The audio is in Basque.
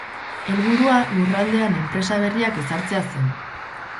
Helburua lurraldean enpresa berriak ezartzea zen.